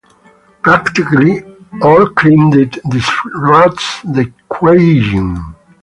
Practically all Kindred distrust the Kuei-jin.